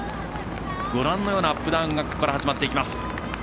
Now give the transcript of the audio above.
ご覧のようなアップダウンがここから始まっていきます。